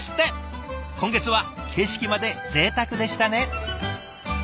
今月は景色までぜいたくでしたね。